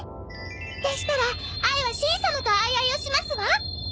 でしたらあいはしん様とアイアイをしますわ！